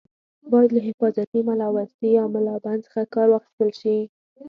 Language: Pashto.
باید له حفاظتي ملاوستي یا ملابند څخه کار واخیستل شي.